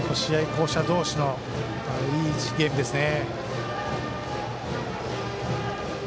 巧者同士のいいゲームですね。